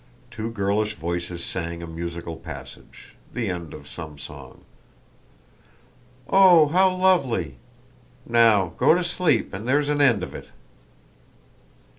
Two girlish voices sang a musical passage—the end of some song. "Oh, how lovely! Now go to sleep, and there's an end of it."